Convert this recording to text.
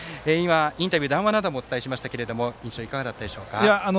インタビュー、談話などもお伝えしましたが印象いかがでしたか？